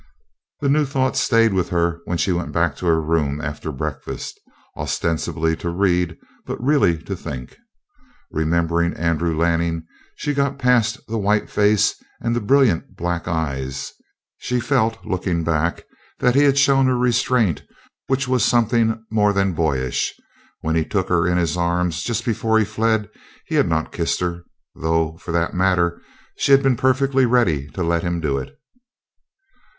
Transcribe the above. The new thought stayed with her when she went back to her room after breakfast, ostensibly to read, but really to think. Remembering Andrew Lanning, she got past the white face and the brilliant black eyes; she felt, looking back, that he had shown a restraint which was something more than boyish. When he took her in his arms just before he fled he had not kissed her, though, for that matter, she had been perfectly ready to let him do it.